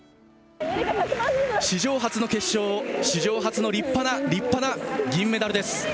史上初の決勝、史上初の立派な、立派な銀メダルです。